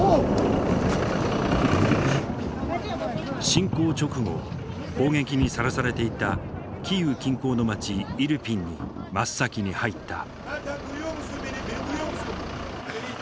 侵攻直後攻撃にさらされていたキーウ近郊の町イルピンに真っ先に入った。